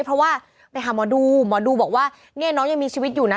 เพราะว่าไปหาหมอดูหมอดูบอกว่าเนี่ยน้องยังมีชีวิตอยู่นะ